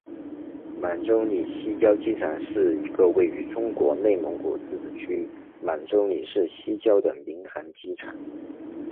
满洲里西郊机场是一个位于中国内蒙古自治区满洲里市西郊的民航机场。